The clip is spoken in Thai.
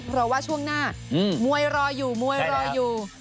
เพราะว่าช่วงหน้ามวยรออยู่มวยรออยู่